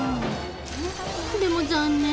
でも、残念！